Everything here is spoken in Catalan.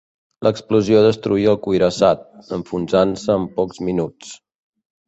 L'explosió destruí el cuirassat, enfonsant-se en pocs minuts.